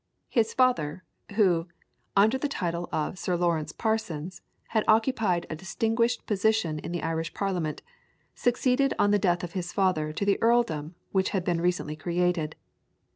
His father, who, under the title of Sir Lawrence Parsons, had occupied a distinguished position in the Irish Parliament, succeeded on the death of his father to the Earldom which had been recently created.